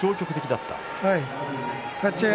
立ち合い